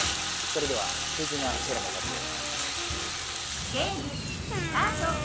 それではすてきな空のたびを。